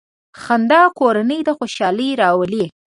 • خندا کورنۍ ته خوشحالي راولي.